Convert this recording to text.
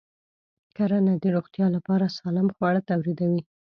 کرنه د روغتیا لپاره سالم خواړه تولیدوي.